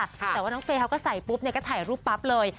แต่ว่าน้องเฟย์เขาก็ใส่ปุ๊บเนี่ยก็ถ่ายรูปปั๊บเลย